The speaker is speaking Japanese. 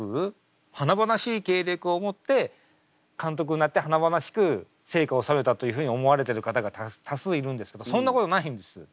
華々しい経歴を持って監督になって華々しく成果を収めたというふうに思われてる方が多数いるんですけどそんなことないんです。